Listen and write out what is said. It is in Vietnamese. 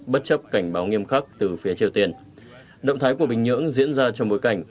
bất chấp cảnh báo nghiêm khắc từ phía triều tiên động thái của bình nhưỡng diễn ra trong bối cảnh